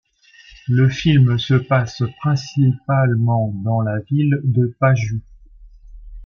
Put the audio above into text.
Le film se passe principalement dans la ville de Paju.